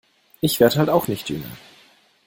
Ich werd halt auch nicht jünger.